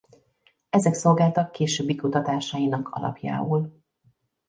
Ezek szolgáltak későbbi kutatásainak alapjául.